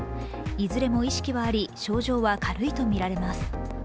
いずれも意識はあり、症状は軽いとみられます。